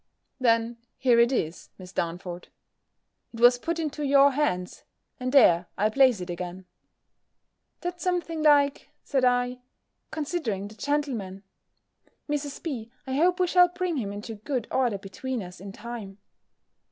"Then here it is, Miss Darnford: it was put into your hands, and there I place it again." "That's something like," said I, "considering the gentleman. Mrs. B., I hope we shall bring him into good order between us in time."